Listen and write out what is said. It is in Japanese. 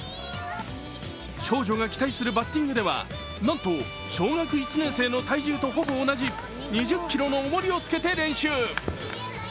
少女が期待するバッティングではなんと小学１年生の体重とほぼ同じ２０ｋｇの重りをつけて練習。